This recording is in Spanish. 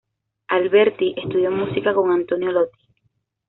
Alberti estudió música con Antonio Lotti.